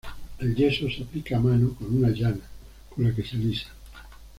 El yeso se aplica a mano con una llana, con la que se alisa.